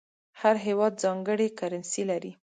هر هېواد ځانګړې کرنسي لري.